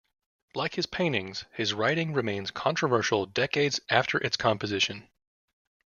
Like his paintings, his writing remains controversial decades after its composition.